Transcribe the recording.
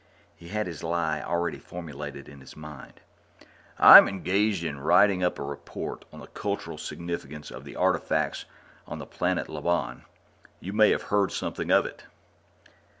He had his lie already formulated in his mind. "I'm engaged in writing up a report on the cultural significance of the artifacts on the planet Lobon you may have heard something of it?"